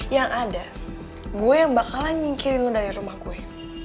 yang ada gue yang bakalan nyingkirin dari rumah gue